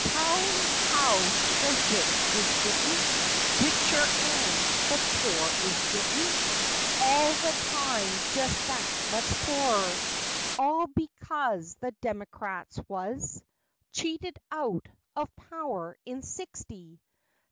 Tellin' how the rich is gittin' Richer ; and the pore is gittin' All the time jest that much porer. All bekase the demercrats was Cheated out of power in sixty!